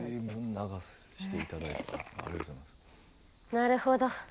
なるほど。